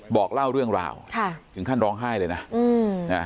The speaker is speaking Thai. บอกเล่าเรื่องราวค่ะถึงขั้นร้องไห้เลยนะอืมนะ